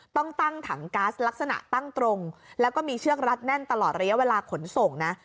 ต้องตั้งถังก๊าซลักษณะตั้งตรงแล้วก็มีเชือกรัดแน่นตลอดระยะเวลาขนส่งนะ